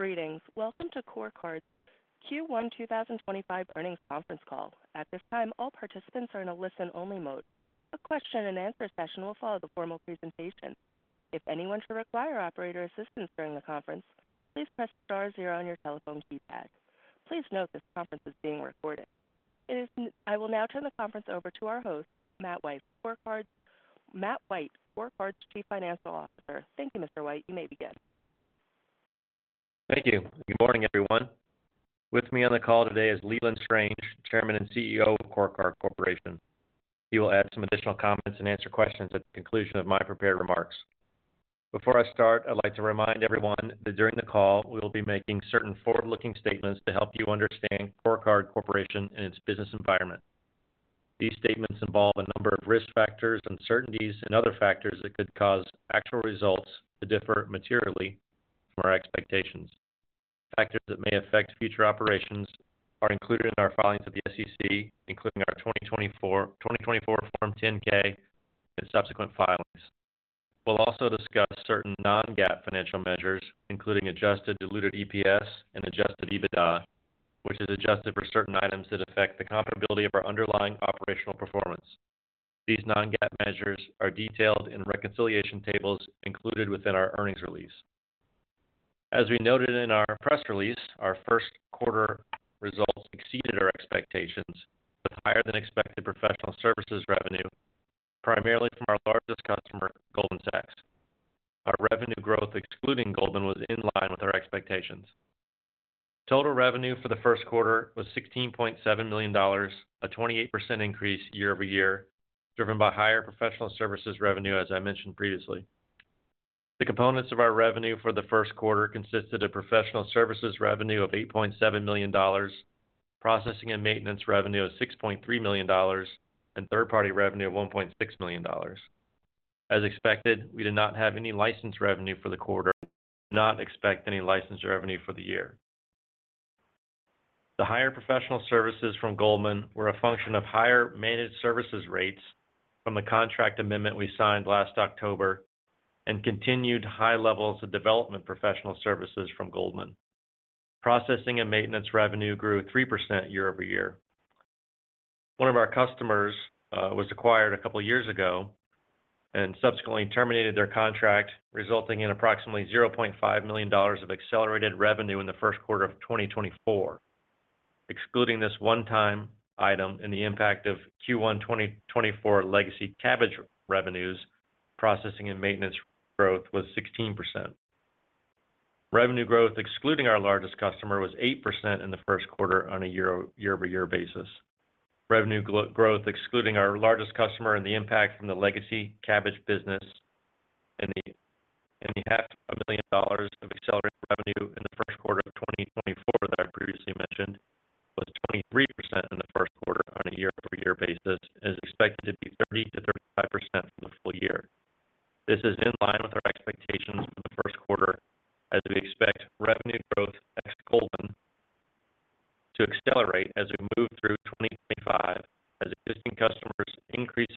Greetings. Welcome to CoreCard's Q1 2025 earnings conference call. At this time, all participants are in a listen-only mode. A question-and-answer session will follow the formal presentation. If anyone should require operator assistance during the conference, please press star zero on your telephone keypad. Please note this conference is being recorded. I will now turn the conference over to our host, Matt White, CoreCard's Chief Financial Officer. Thank you, Mr. White. You may begin. Thank you. Good morning, everyone. With me on the call today is Leland Strange, Chairman and CEO of CoreCard Corporation. He will add some additional comments and answer questions at the conclusion of my prepared remarks. Before I start, I'd like to remind everyone that during the call, we will be making certain forward-looking statements to help you understand CoreCard Corporation and its business environment. These statements involve a number of risk factors, uncertainties, and other factors that could cause actual results to differ materially from our expectations. Factors that may affect future operations are included in our filings with the SEC, including our 2024 Form 10-K and subsequent filings. We'll also discuss certain non-GAAP financial measures, including adjusted diluted EPS and adjusted EBITDA, which is adjusted for certain items that affect the comparability of our underlying operational performance. These non-GAAP measures are detailed in reconciliation tables included within our earnings release. As we noted in our press release, our first-quarter results exceeded our expectations, with higher-than-expected professional services revenue, primarily from our largest customer, Goldman Sachs. Our revenue growth, excluding Goldman, was in line with our expectations. Total revenue for the first quarter was $16.7 million, a 28% increase year-over-year, driven by higher professional services revenue, as I mentioned previously. The components of our revenue for the first quarter consisted of Professional Services revenue of $8.7 million, Processing and Maintenance revenue of $6.3 million, and Third-Party revenue of $1.6 million. As expected, we did not have any license revenue for the quarter and do not expect any license revenue for the year. The higher professional services from Goldman were a function of higher managed services rates from the contract amendment we signed last October and continued high levels of development professional services from Goldman. Processing and Maintenance revenue grew 3% year-over-year. One of our customers was acquired a couple of years ago and subsequently terminated their contract, resulting in approximately $500,000 of accelerated revenue in the first quarter of 2024. Excluding this one-time item and the impact of Q1 2024 legacy Kabbage revenues, Processing and Maintenance growth was 16%. Revenue growth, excluding our largest customer, was 8% in the first quarter on a year-over-year basis. Revenue growth, excluding our largest customer and the impact from the legacy Kabbage business, and the $500,000 of accelerated revenue in the first quarter of 2024 that I previously mentioned, was 23% in the first quarter on a year-over-year basis, and is expected to be 30%-35% for the full year. This is in line with our expectations for the first quarter, as we expect revenue growth next to Goldman to accelerate as we move through 2025, as existing customers increase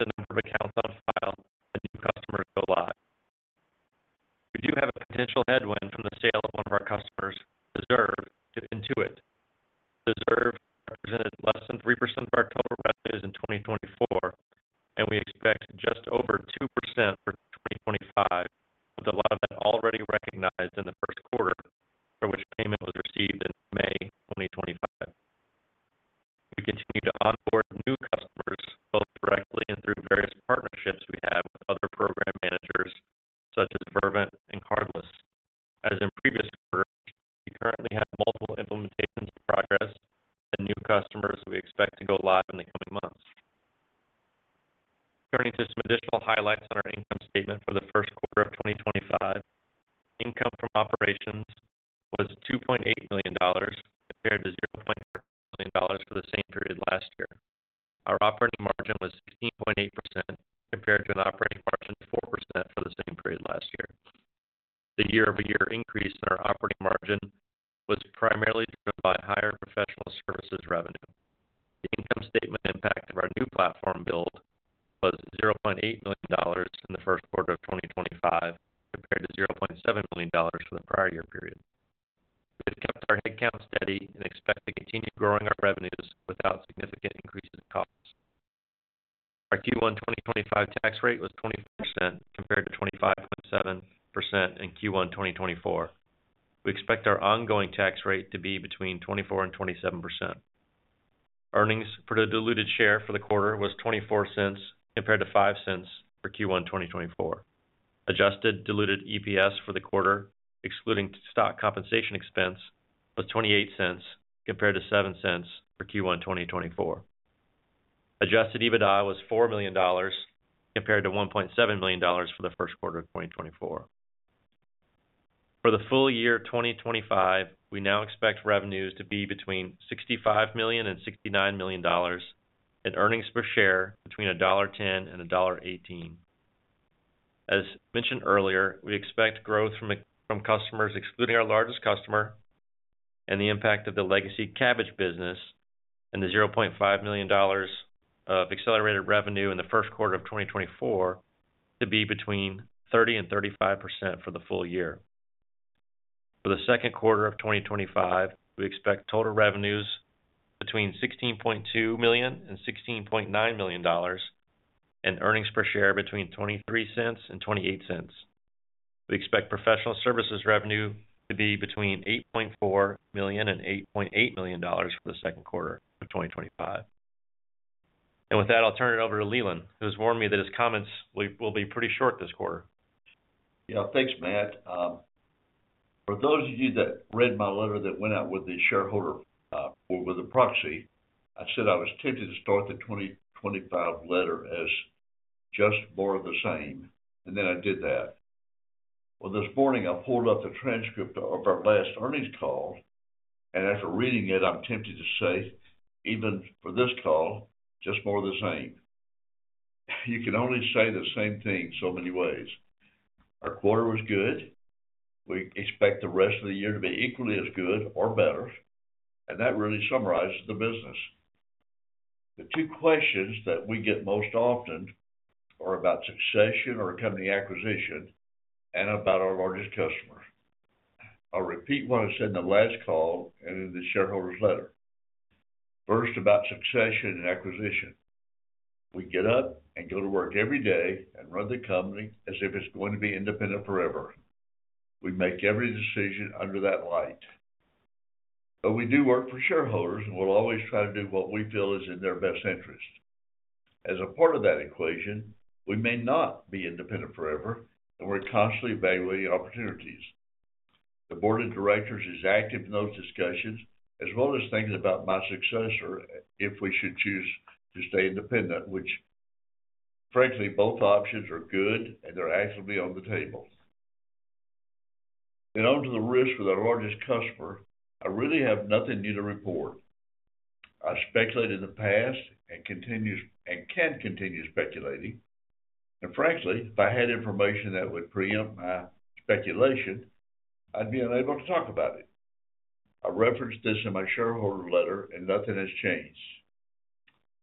steady and expect to continue growing our revenues without significant increases in costs. Our Q1 2025 tax rate was 24% compared to 25.7% in Q1 2024. We expect our ongoing tax rate to be between 24-27%. Earnings for the diluted share for the quarter was $0.24 compared to $0.05 for Q1 2024. Adjusted diluted EPS for the quarter, excluding stock compensation expense, was $0.28 compared to $0.07 for Q1 2024. Adjusted EBITDA was $4 million compared to $1.7 million for the first quarter of 2024. For the full year 2025, we now expect revenues to be between $65 million and $69 million, and earnings per share between $1.10 and $1.18. As mentioned earlier, we expect growth from customers, excluding our largest customer, and the impact of the legacy Kabbage business and the $0.5 million of accelerated revenue in the first quarter of 2024 to be between 30%-35% for the full year. For the second quarter of 2025, we expect total revenues between $16.2 million and $16.9 million, and earnings per share between $0.23-$0.28. We expect Professional Services revenue to be between $8.4 million-$8.8 million for the second quarter of 2025. With that, I'll turn it over to Leland, who has warned me that his comments will be pretty short this quarter. Yeah, thanks, Matt. For those of you that read my letter that went out with the shareholder, or with the proxy, I said I was tempted to start the 2025 letter as just more of the same, and then I did that. This morning, I pulled up the transcript of our last earnings call, and after reading it, I'm tempted to say, even for this call, just more of the same. You can only say the same thing so many ways. Our quarter was good. We expect the rest of the year to be equally as good or better, and that really summarizes the business. The two questions that we get most often are about succession or company acquisition and about our largest customer. I'll repeat what I said in the last call and in the shareholder's letter. First, about succession and acquisition. We get up and go to work every day and run the company as if it's going to be independent forever. We make every decision under that light. We do work for shareholders, and we'll always try to do what we feel is in their best interest. As a part of that equation, we may not be independent forever, and we're constantly evaluating opportunities. The board of directors is active in those discussions, as well as thinking about my successor, if we should choose to stay independent, which, frankly, both options are good, and they're actually on the table. On to the risk with our largest customer. I really have nothing new to report. I've speculated in the past and continue and can continue speculating. Frankly, if I had information that would preempt my speculation, I'd be unable to talk about it. I referenced this in my shareholder letter, and nothing has changed.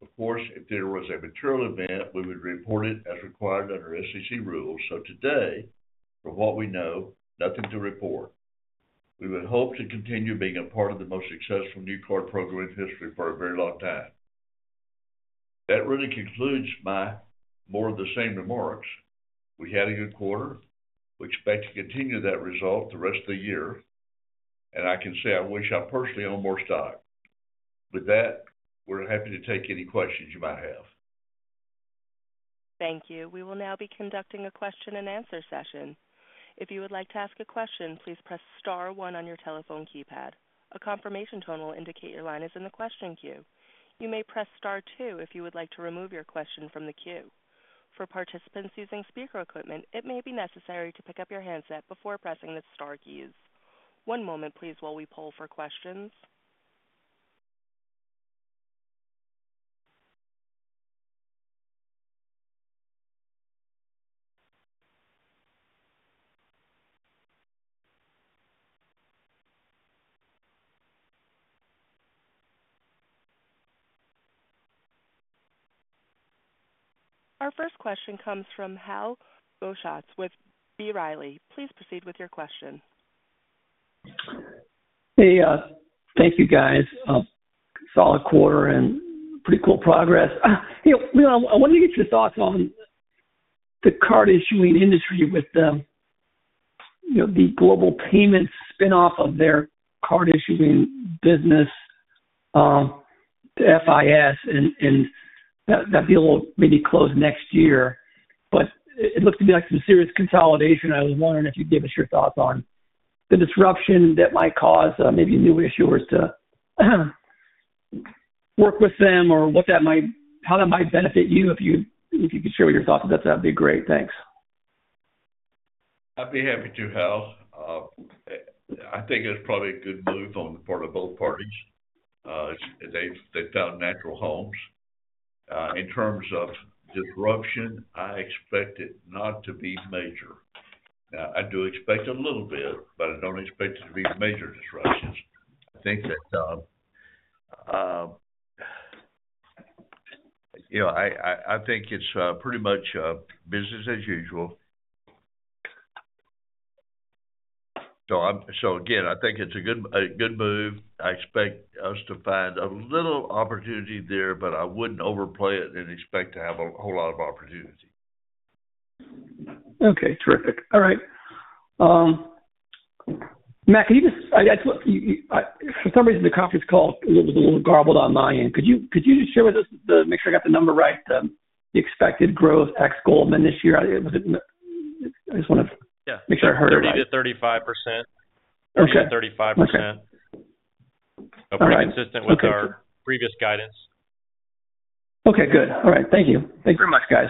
Of course, if there was a material event, we would report it as required under SEC rules. Today, from what we know, nothing to report. We would hope to continue being a part of the most successful new card program in history for a very long time. That really concludes my more of the same remarks. We had a good quarter. We expect to continue that result the rest of the year. I can say I wish I personally owned more stock. With that, we're happy to take any questions you might have. Thank you. We will now be conducting a question-and-answer session. If you would like to ask a question, please press star one on your telephone keypad. A confirmation tone will indicate your line is in the question queue. You may press star two if you would like to remove your question from the queue. For participants using speaker equipment, it may be necessary to pick up your handset before pressing the star keys. One moment, please, while we poll for questions. Our first question comes from Hal Goetsch with B. Riley. Please proceed with your question. Hey, thank you, guys. Solid quarter and pretty cool progress. Hey, Leland, I wanted to get your thoughts on the card-issuing industry with, you know, the Global Payments spinoff of their card-issuing business, the FIS, and that deal will maybe close next year. It looks to be like some serious consolidation. I was wondering if you'd give us your thoughts on the disruption that might cause, maybe new issuers to work with them or what that might, how that might benefit you if you could share your thoughts about that. That'd be great. Thanks. I'd be happy to, Hal. I think it's probably a good move on the part of both parties. They've found natural homes. In terms of disruption, I expect it not to be major. Now, I do expect a little bit, but I don't expect it to be major disruptions. I think that, you know, I think it's pretty much business as usual. Again, I think it's a good move. I expect us to find a little opportunity there, but I wouldn't overplay it and expect to have a whole lot of opportunity. Okay. Terrific. All right. Matt, can you just, I guess, what you, for some reason, the conference call was a little garbled on my end. Could you just share with us the, make sure I got the number right, the expected growth ex Goldman this year? I wasn't, I just want to make sure I heard it right. 30%-35%. Okay. 30%-35%. Okay. All right. Consistent with our previous guidance. Okay. Good. All right. Thank you. Thank you very much, guys.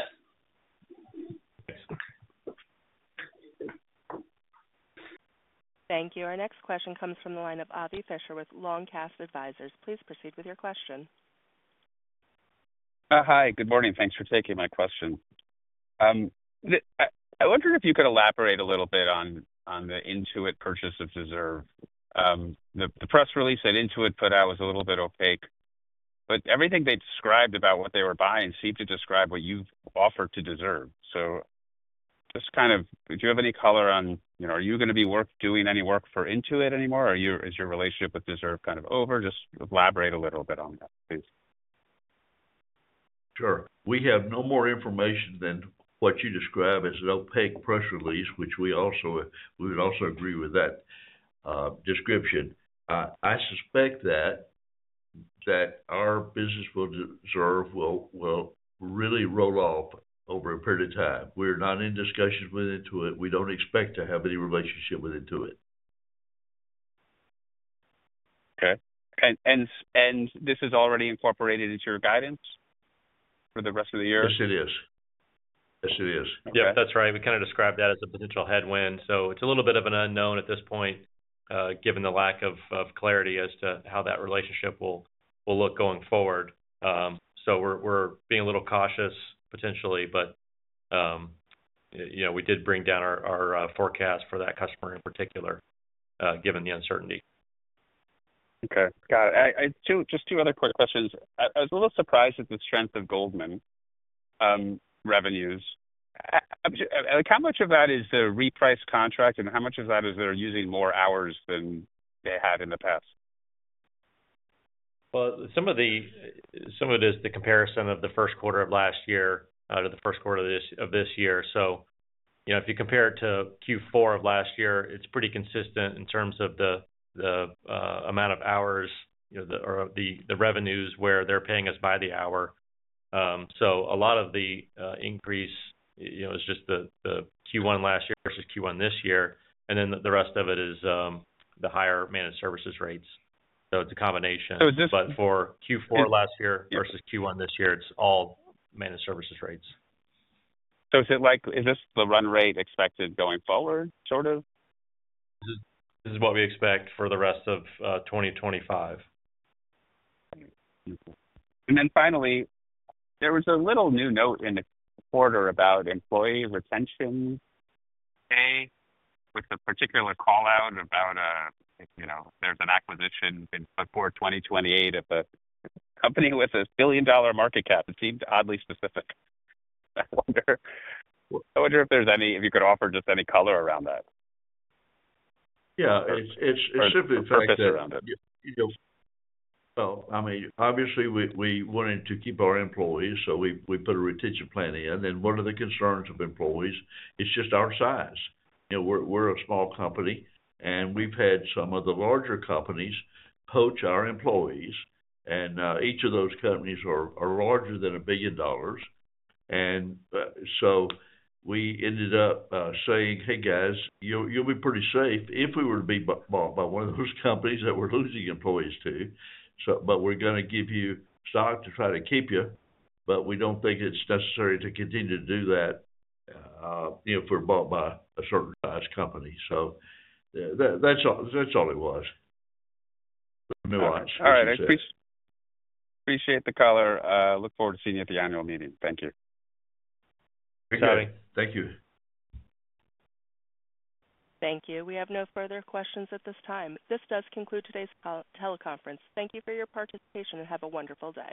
Thank you. Our next question comes from the line of Avi Fisher with Long Cast Advisers. Please proceed with your question. Hi. Good morning. Thanks for taking my question. I wonder if you could elaborate a little bit on the Intuit purchase of Deserve. The press release that Intuit put out was a little bit opaque, but everything they described about what they were buying seemed to describe what you've offered to Deserve. Just kind of, do you have any color on, you know, are you going to be doing any work for Intuit anymore? Is your relationship with Deserve kind of over? Just elaborate a little bit on that, please. Sure. We have no more information than what you describe as an opaque press release, which we also would agree with that description. I suspect that our business with Deserve will really roll off over a period of time. We're not in discussions with Intuit. We don't expect to have any relationship with Intuit. Okay. And this is already incorporated into your guidance for the rest of the year? Yes, it is. Okay. That's right. We kind of described that as a potential headwind. It's a little bit of an unknown at this point, given the lack of clarity as to how that relationship will look going forward. We're being a little cautious potentially, but, you know, we did bring down our forecast for that customer in particular, given the uncertainty. Okay. Got it. I just, just two other quick questions. I was a little surprised at the strength of Goldman revenues. I'm sure, like, how much of that is the repriced contract, and how much of that is they're using more hours than they had in the past? Some of it is the comparison of the first quarter of last year out of the first quarter of this year. You know, if you compare it to Q4 of last year, it's pretty consistent in terms of the amount of hours, you know, or the revenues where they're paying us by the hour. A lot of the increase, you know, is just the Q1 last year versus Q1 this year. The rest of it is the higher-managed services rates. It's a combination. Is this. For Q4 last year versus Q1 this year, it's all managed-services rates. Is it like, is this the run rate expected going forward, sort of? This is what we expect for the rest of 2025. Finally, there was a little new note in the quarter about employee retention pay with a particular callout about, you know, there is an acquisition in, for 2028 of a company with a billion-dollar market cap. It seemed oddly specific. I wonder, I wonder if there is any, if you could offer just any color around that. Yeah. It should be fascinating around it. Oh, I mean, obviously, we wanted to keep our employees, so we put a retention plan in. One of the concerns of employees is just our size. You know, we're a small company, and we've had some of the larger companies poach our employees. Each of those companies are larger than $1 billion. We ended up saying, "Hey, guys, you'll be pretty safe if we were to be bought by one of those companies that we're losing employees to." We're going to give you stock to try to keep you, but we do not think it's necessary to continue to do that, you know, if we're bought by a certain size company. That's all it was. All right. I appreciate the color. Look forward to seeing you at the annual meeting. Thank you. Thank you. Thank you. Thank you. We have no further questions at this time. This does conclude today's teleconference. Thank you for your participation and have a wonderful day.